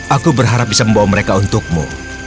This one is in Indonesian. aku berharap bisa membawa mereka untukmu